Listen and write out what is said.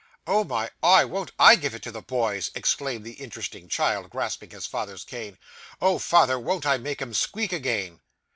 'Oh my eye, won't I give it to the boys!' exclaimed the interesting child, grasping his father's cane. 'Oh, father, won't I make 'em squeak again!